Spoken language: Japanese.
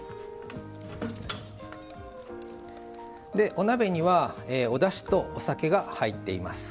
お鍋にはおだしとお酒が入っています。